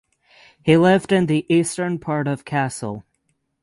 He lived in the eastern part of Kassel.